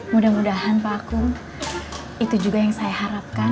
mudah mudahan paku itu juga yang saya harapkan